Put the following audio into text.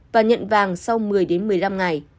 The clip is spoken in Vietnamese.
và nhận vàng sau một mươi đến một mươi năm ngày